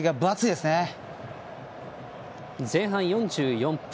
前半４４分。